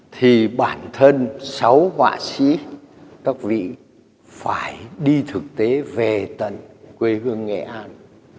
thì bản thân sáu họa sĩ các vị phải đi thực tế về tận quê hương nghệ an